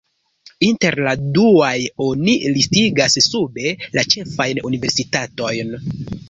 Inter la duaj oni listigas sube la ĉefajn universitatojn.